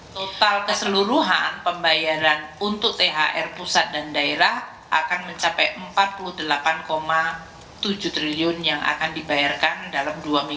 total keseluruhan pembayaran untuk thr pusat dan daerah akan mencapai rp empat puluh delapan tujuh triliun yang akan dibayarkan dalam dua minggu